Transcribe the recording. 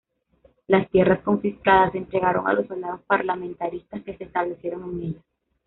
Las tierras confiscadas se entregaron a los soldados parlamentaristas, que se establecieron en ellas.